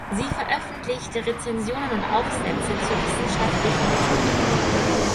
Sie veröffentlichte Rezensionen und Aufsätze zur wissenschaftlichen Methodik.